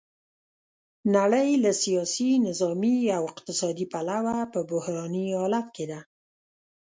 نړۍ له سیاسي، نظامي او اقتصادي پلوه په بحراني حالت کې ده.